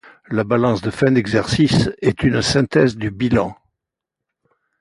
La balance de fin d'exercice est une synthèse du bilan.